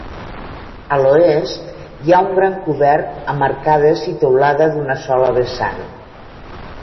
A l'oest, hi ha un gran cobert amb arcades i teulada d'una sola vessant.